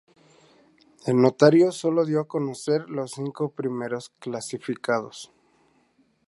El notario solo dio a conocer los cinco primeros clasificados.